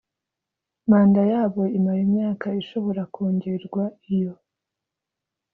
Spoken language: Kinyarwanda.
Manda yabo imara imyaka ishobora kongerwa Iyo